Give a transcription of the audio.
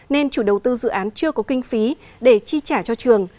nên chủ đầu tư dự án chưa có kinh phí để chi trả cho trường